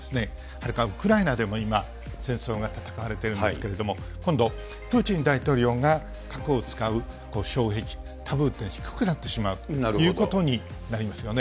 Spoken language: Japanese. はるかウクライナでも今、戦争が戦われてるんですけれども、今度、プーチン大統領が核を使う障壁、タブーというのが低くなってしまうということになりますよね。